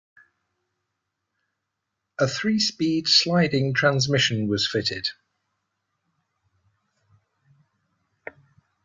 A three-speed sliding transmission was fitted.